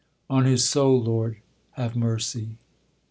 On his soul, Lord, have mercy.